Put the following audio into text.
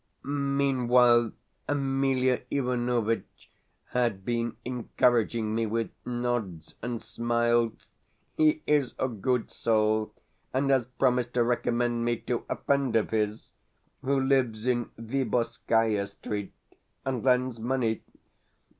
Meanwhile Emelia Ivanovitch had been encouraging me with nods and smiles. He is a good soul, and has promised to recommend me to a friend of his who lives in Viborskaia Street and lends money.